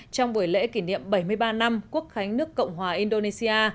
trong buổi lễ kỷ niệm bảy mươi ba năm quốc khánh nước cộng hòa indonesia